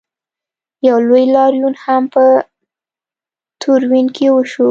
یو لوی لاریون هم په تورین کې وشو.